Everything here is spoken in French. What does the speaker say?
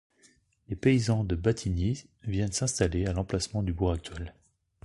Les paysans de Battignies viennent s’installer à l’emplacement du bourg actuel.